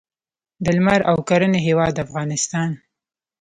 د لمر او کرنې هیواد افغانستان.